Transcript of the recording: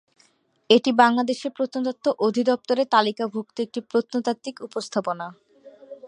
এটি বাংলাদেশ প্রত্নতত্ত্ব অধিদপ্তরের তালিকাভুক্ত একটি প্রত্নতাত্ত্বিক স্থাপনা।